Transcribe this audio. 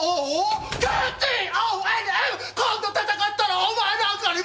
今度戦ったらお前なんかに負けなーい！